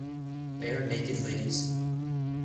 Barenaked Ladies